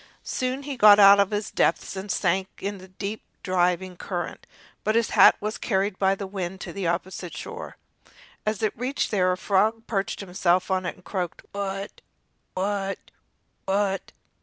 Soon he got out of his depth and sank in the deep, driving current; but his hat was carried by the wind to the opposite shore. As it reached there a frog perched himself on it, and croaked: "Wat! wat! wat!"